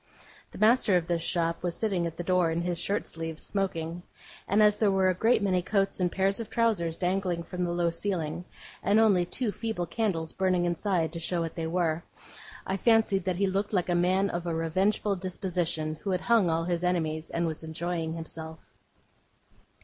The master of this shop was sitting at the door in his shirt sleeves, smoking; and as there were a great many coats and pairs of trousers dangling from the low ceiling, and only two feeble candles burning inside to show what they were, I fancied that he looked like a man of a revengeful disposition, who had hung all his enemies, and was enjoying himself.